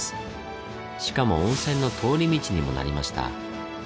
しかも温泉の通り道にもなりました。